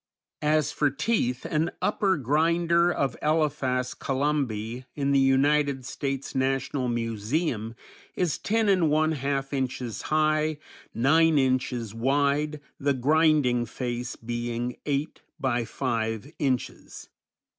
As for teeth, an upper grinder of Elephas columbi in the United States National Museum is ten and one half inches high, nine inches wide, the grinding face being eight by five inches.